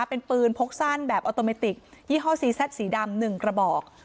เป็นปืนพกสั้นแบบออโตเมติกยี่ห้อซีแซดสีดำ๑กระบอก